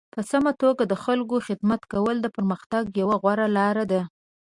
په سمه توګه د خلکو خدمت کول د پرمختګ یوه غوره لاره ده.